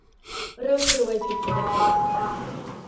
ร่ำรวยผิดปกติ